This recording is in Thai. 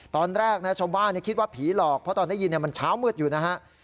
ตอนแรกนะชาวบ้านคิดว่าผีหลอกเพราะตอนได้ยินมันเช้ามืดอยู่นะฮะ